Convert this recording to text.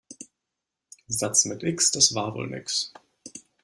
Satz mit X, das war wohl nix.